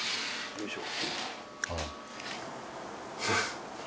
よいしょ